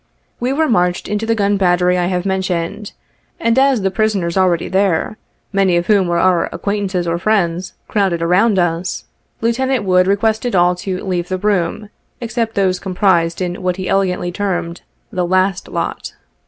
We were marched into the gun battery I have mentioned, and as the prisoners already there, many of whom were our acquaintances or friends, crowded around us, Lieutenant Wood requested all to leave the room, except those com prised in what he elegantly termed the "last lot."